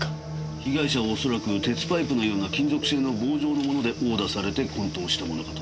被害者は恐らく鉄パイプのような金属製の棒状のもので殴打されて昏倒したものかと。